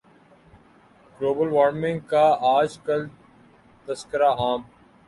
global warming کا آج کل تذکرہ عام